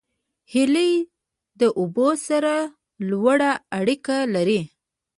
هیلۍ له اوبو سره لوړه اړیکه لري